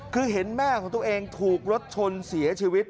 คือเห็นแม่ของตัวเองถูกรถชนเสียชีวิต